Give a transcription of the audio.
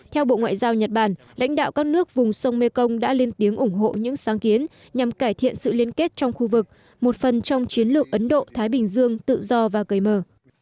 theo bộ ngoại giao nhật bản lãnh đạo các nước vùng sông mekong đã lên tiếng ủng hộ những sáng kiến nhằm cải thiện sự liên kết trong khu vực một phần trong chiến lược ấn độ thái bình dương tự do và cởi mở